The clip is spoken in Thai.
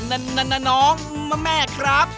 เอ่อน้องแม่ครับ